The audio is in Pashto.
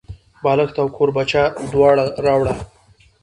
بالښت او کوربچه دواړه راوړه.